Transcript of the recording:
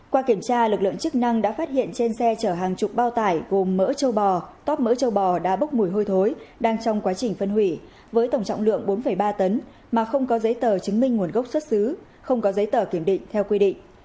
qua kiểm tra lực lượng chức năng đã phát hiện trên xe chở hàng chục bao tải gồm mỡ châu bò tóp mỡ châu bò đã bốc mùi hôi thối đang trong quá trình phân hủy với tổng trọng lượng bốn ba tấn mà không có giấy tờ chứng minh nguồn gốc xuất xứ không có giấy tờ kiểm định theo quy định